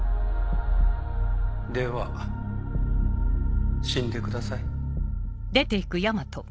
では死んでください。